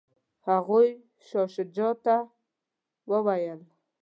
هغوی شاه شجاع ته وویل.